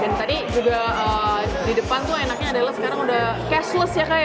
dan tadi juga di depan tuh enaknya adalah sekarang udah cashless ya kak ya